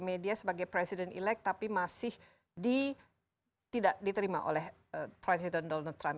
media sebagai presiden elek tapi masih tidak diterima oleh presiden donald trump